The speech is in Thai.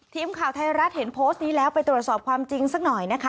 ทีมข่าวไทยรัฐเห็นโพสต์นี้แล้วไปตรวจสอบความจริงสักหน่อยนะคะ